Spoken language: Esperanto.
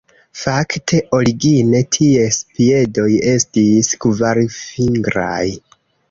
Fakte, origine ties piedoj estis kvarfingraj.